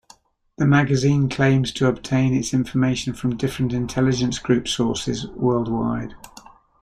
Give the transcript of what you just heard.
The magazine claims to obtain its information from different intelligence group sources worldwide.